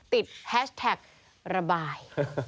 แฮชแท็กระบาย